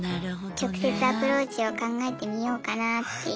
直接アプローチを考えてみようかなっていう。